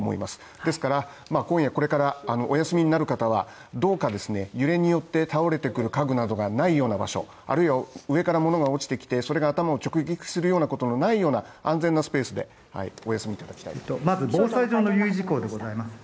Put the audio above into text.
ですから今これからお休みになる方は、どうかですね、揺れによって倒れてくる家具などがないような場所、あるいは、上から物が落ちてきてそれが頭を直撃するようなことのないような安全なスペースでお休みいただきたいとまず防災上の留意事項でございます